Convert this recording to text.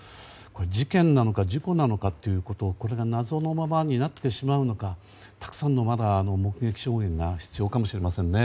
事件なのか事故なのかというのがこれが謎のままになってしまうのかたくさんの目撃証言が必要かもしれませんね。